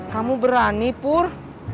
kamu berani pur